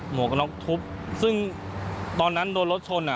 หัวกระน็อกทุบซึ่งตอนนั้นโดนรถชนอ่ะ